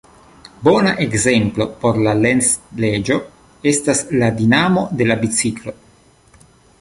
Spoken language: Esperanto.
Bona ekzemplo por la Lenz-leĝo estas la dinamo de la biciklo.